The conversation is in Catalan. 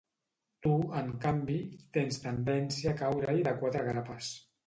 Tu, en canvi, tens tendència a caure-hi de quatre grapes.